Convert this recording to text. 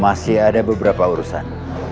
masih ada beberapa urusan